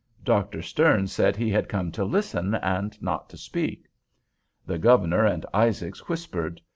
Dr. Stearns said he had come to listen and not to speak. The Governor and Isaacs whispered.